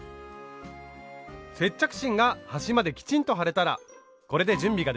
接着芯が端まできちんと貼れたらこれで準備ができました。